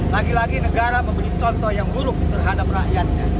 lagi lagi negara memberi contoh yang buruk terhadap rakyatnya